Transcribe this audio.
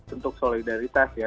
untuk solidaritas ya